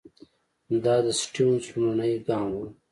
دا د سټیونز لومړنی ګام وو.